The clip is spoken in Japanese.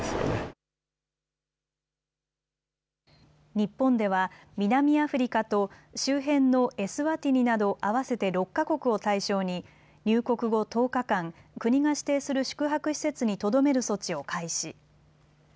日本では南アフリカと周辺のエスワティニなど合わせて６か国を対象に入国後１０日間、国が指定する宿泊施設にとどめる措置を開始。